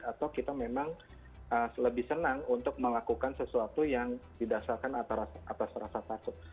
atau kita memang lebih senang untuk melakukan sesuatu yang didasarkan atas rasa takut